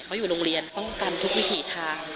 เขาอยู่โรงเรียนป้องกันทุกวิถีทาง